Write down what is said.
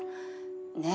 ねえ。